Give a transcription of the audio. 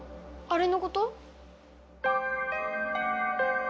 あれのこと！